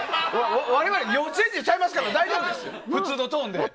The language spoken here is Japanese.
我々、幼稚園児ちゃいますから大丈夫です、普通のトーンで。